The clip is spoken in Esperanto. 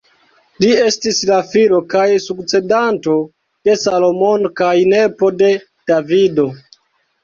Li estis la filo kaj sukcedanto de Salomono kaj nepo de Davido.